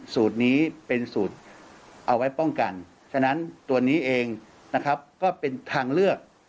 สูตรนี้เป็นสูตรเอาไว้ป้องกันฉะนั้นตัวนี้เองนะครับก็เป็นทางเลือก